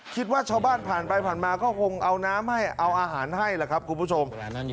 คิดว่าชาวบ้านผ่านไปผ่านมาก็คงเอาน้ำให้เอาอาหารให้แหละครับคุณผู้ชม